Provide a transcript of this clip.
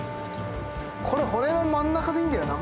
この骨の真ん中でいいんだよな？